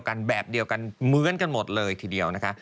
คือก็ชวีน